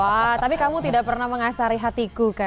wah tapi kamu tidak pernah mengasari hatiku kan